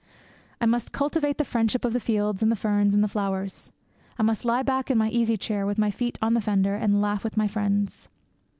I must cultivate the friendship of the fields and the ferns and the flowers. I must lie back in my easy chair, with my feet on the fender, and laugh with my friends.